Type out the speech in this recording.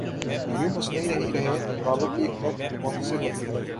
یوں مصنوعی نہیں رہیں بناوٹ کی عمر مختصر ہوتی ہے۔